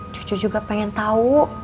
cucu juga pengen tau